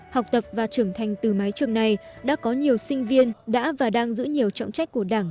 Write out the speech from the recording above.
học tập và trưởng thành từ mái trường này đã có nhiều sinh viên đã và đang giữ nhiều trọng trách của đảng